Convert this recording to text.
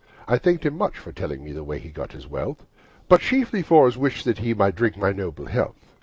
I thanked him much for telling me The way he got his wealth, But chiefly for his wish that he Might drink my noble health.